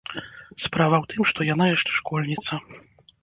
Справа ў тым, што яна яшчэ школьніца.